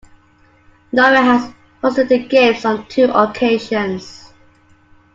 Norway has hosted the Games on two occasions.